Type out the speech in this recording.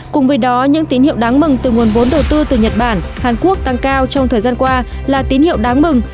cùng với đó những tín hiệu đáng mừng từ nguồn vốn đầu tư từ nhật bản hàn quốc tăng cao trong thời gian qua là tín hiệu đáng mừng